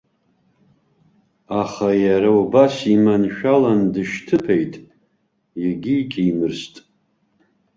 Аха иара убас иманшәалан дышьҭыԥеит, иагьикьимырст.